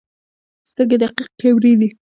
سترګې دقیق کیمرې دي.